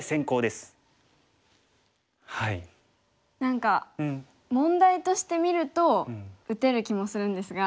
何か問題として見ると打てる気もするんですが。